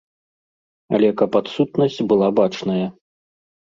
Але каб адсутнасць была бачная.